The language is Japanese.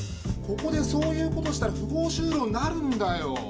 ここでそういう事したら不法就労になるんだよ。